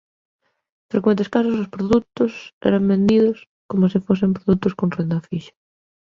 En frecuentes casos os produtos eran vendidos coma se fosen produtos con renda fixa.